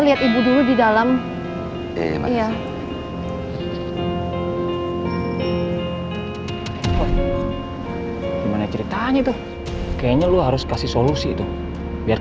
lihat ibu dulu di dalam iya gimana ceritanya tuh kayaknya lu harus kasih solusi tuh biar